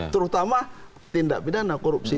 terutama tindak pidana korupsi